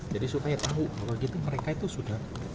jadi supaya tahu kalau gitu mereka itu sudah